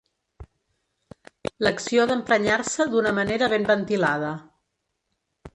L'acció d'emprenyar-se d'una manera ben ventilada.